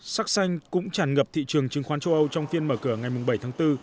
sắc xanh cũng tràn ngập thị trường chứng khoán châu âu trong phiên mở cửa ngày bảy tháng bốn